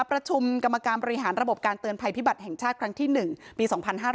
ประชุมกรรมการบริหารระบบการเตือนภัยพิบัติแห่งชาติครั้งที่๑ปี๒๕๕๘